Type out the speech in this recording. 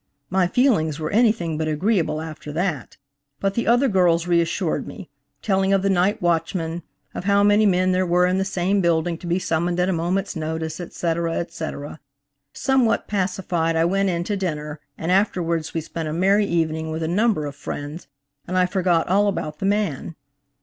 My feelings were anything but agreeable after that, but the other girls reassured me–telling of the night watchman, of how many men there were in the same building to be summoned at a moment's notice, etc., etc. Somewhat pacified I went in to dinner, and afterwards we spent a merry evening with a number of friends, and I forgot all about the man.